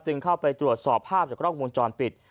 เข้าไปตรวจสอบภาพจากกล้องวงจรปิด